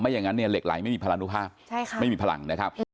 อย่างนั้นเนี่ยเหล็กไหลไม่มีพลานุภาพไม่มีพลังนะครับ